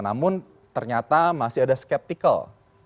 namun ternyata masih ada skeptikal